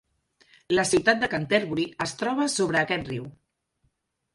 La ciutat de Canterbury es troba sobre aquest riu.